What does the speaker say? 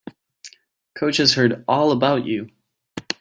Coach has heard all about you.